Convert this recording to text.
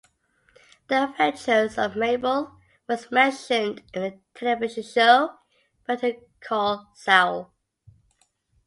"The Adventures of Mabel" was mentioned in the television show Better Call Saul.